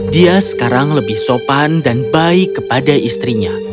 dia sekarang lebih sopan dan baik kepada istrinya